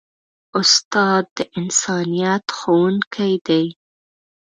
استاد د انسانیت ښوونکی دی.